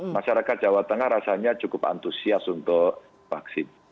masyarakat jawa tengah rasanya cukup antusias untuk vaksin